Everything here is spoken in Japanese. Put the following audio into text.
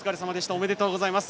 おめでとうございます。